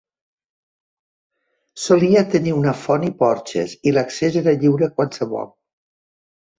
Solia tenir una font i porxes, i l'accés era lliure a qualsevol.